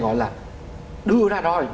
gọi là đưa ra rồi